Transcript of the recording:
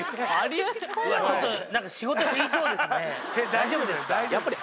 大丈夫ですか？